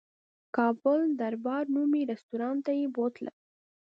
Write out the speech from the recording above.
کابل دربار نومي رستورانت ته یې بوتلم.